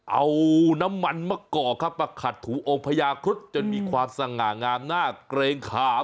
เอาน้ำมันมะกอกครับมาขัดถูองค์พญาครุฑจนมีความสง่างามน่าเกรงขาม